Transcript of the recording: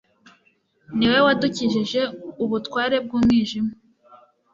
ni we wadukijije ubutware bw umwijima